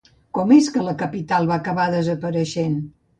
Com és que la capital va acabar desapareixent?